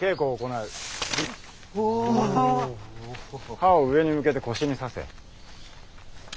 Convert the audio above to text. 刃を上に向けて腰に差せ。